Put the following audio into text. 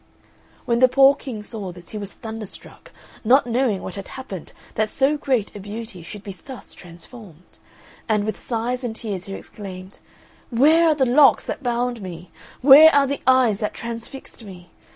When the poor King saw this he was thunderstruck, not knowing what had happened that so great a beauty should be thus transformed; and, with sighs and tears he exclaimed, "Where are the locks that bound me? Where are the eyes that transfixed me?